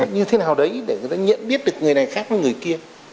như thế nào đấy để người ta nhận biết được người này khác với người kia